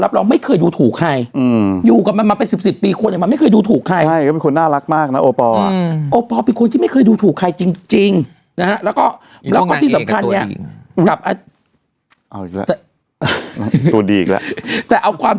รับรวมไม่เคยดูถูกใครอืมอยู่กับมันมันไปสิบสิบปีคน